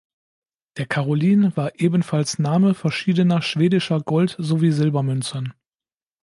Der Carolin war ebenfalls Name verschiedener schwedischer Gold- sowie Silbermünzen.